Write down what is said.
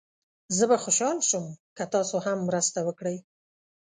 زه به خوشحال شم که تاسو هم مرسته وکړئ.